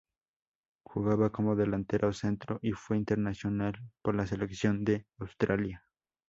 Jugaba como delantero centro y fue internacional por la selección de Australia.